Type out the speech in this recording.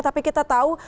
tapi kita tahu